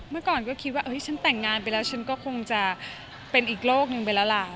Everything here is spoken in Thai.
เมื่อก่อนก็คิดว่าฉันแต่งงานไปแล้วฉันก็คงจะเป็นอีกโลกหนึ่งไปแล้วล่ะ